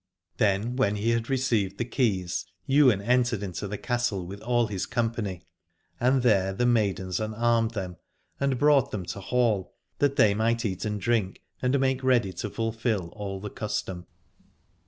Then when he had received the keys, Ywain entered into the castle with all his company : and there the 132 Aladore maidens unarmed them and brought them to hall, that they might eat and drink and make ready to fulfil all the custom.